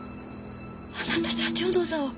あなた社長の座を！